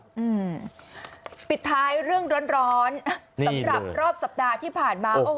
อืมปิดท้ายเรื่องร้อนร้อนสำหรับรอบสัปดาห์ที่ผ่านมาโอ้โห